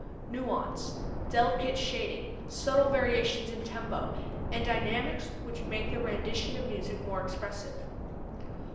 Nuance delicate shading; subtle variations in tempo and dynamics which make the rendition of music more expressive.